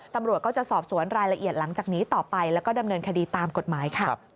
ตำรวจก็จะสอบสวนรายละเอียดหลังจากนี้ต่อไปแล้วก็ดำเนินคดีตามกฎหมายค่ะ